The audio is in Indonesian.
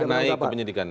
sudah naik penyidikan